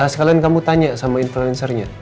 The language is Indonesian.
sekalian kamu tanya sama influencernya